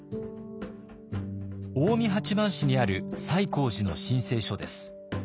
近江八幡市にある西光寺の申請書です。